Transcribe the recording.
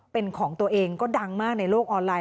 เป็นของตัวเองก็ดังมากในโลกออนไลน